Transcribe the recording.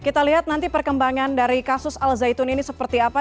kita lihat nanti perkembangan dari kasus al zaitun ini seperti apa